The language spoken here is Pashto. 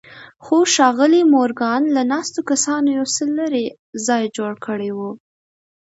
خو ښاغلي مورګان له ناستو کسانو يو څه لرې ځای جوړ کړی و.